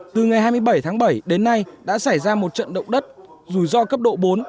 từ ngày hai mươi bảy tháng bảy đến nay đã xảy ra một trận động đất rủi ro cấp độ bốn